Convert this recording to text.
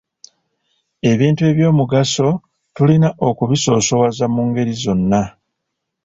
Ebintu eby’omugaso tulina okubisoosowaza mu ngeri zonna.